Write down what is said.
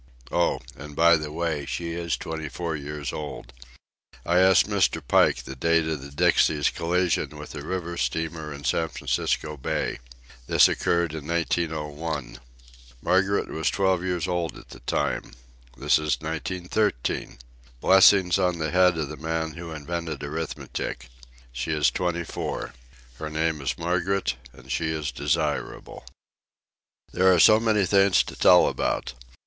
Oh—and by the way—she is twenty four years old. I asked Mr. Pike the date of the Dixie's collision with the river steamer in San Francisco Bay. This occurred in 1901. Margaret was twelve years old at the time. This is 1913. Blessings on the head of the man who invented arithmetic! She is twenty four. Her name is Margaret, and she is desirable. There are so many things to tell about.